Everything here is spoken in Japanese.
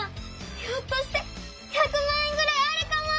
ひょっとして１００まん円ぐらいあるかも！